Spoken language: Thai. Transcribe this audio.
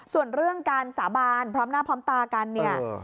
ส่วนเรื่องการสาบานพร้อมหน้าพร้อมตากันเนี่ย